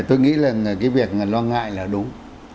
tôi nghĩ là cái việc lo ngại là đúng